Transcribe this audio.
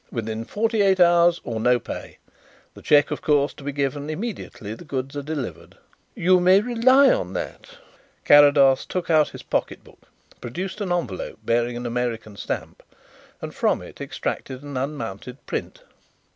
Within forty eight hours or no pay. The cheque, of course, to be given immediately the goods are delivered?" "You may rely on that." Carrados took out his pocket book, produced an envelope bearing an American stamp, and from it extracted an unmounted print.